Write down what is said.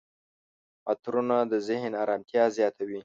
عطرونه د ذهن آرامتیا زیاتوي.